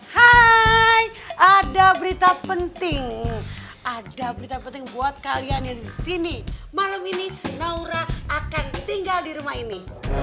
hai ada berita penting ada berita penting buat kalian yang disini malam ini naura akan tinggal di rumah ini